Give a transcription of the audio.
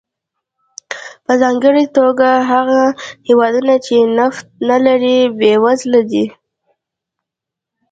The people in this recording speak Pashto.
په ځانګړې توګه هغه هېوادونه چې نفت نه لري بېوزله دي.